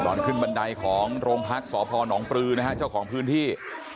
ตอนขึ้นบันไดของโรงพักษ์สพนปลือนะฮะเจ้าของพื้นที่